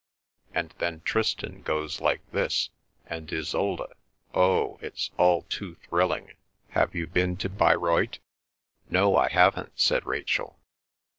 "And then Tristan goes like this, and Isolde—oh!—it's all too thrilling! Have you been to Bayreuth?" "No, I haven't," said Rachel.